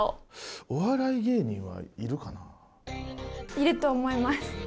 要ると思います！